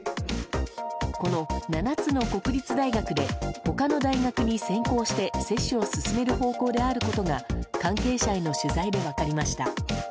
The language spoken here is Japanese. この７つの国立大学で他の大学に先行して接種を進める方向であることが関係者への取材で分かりました。